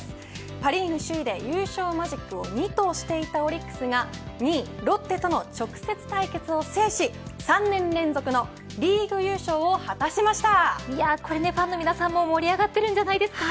パ・リーグ首位で優勝マジックを２としていたオリックスが２位、ロッテとの直接対決を制し３年連続のファンのみなさんも盛り上がっているんじゃないですか。